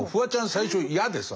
最初嫌でさ。